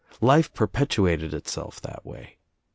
Life perpetuated itself that way.